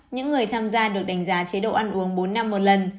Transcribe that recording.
những người tham gia được đánh giá chế độ ăn uống bốn năm một lần